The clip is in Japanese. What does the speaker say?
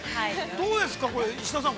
◆どうですか、石田さん。